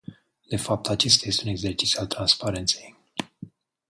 De fapt, acesta este un exercițiu al transparenței.